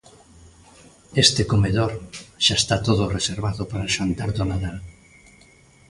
Este comedor xa está todo reservado para o xantar do Nadal.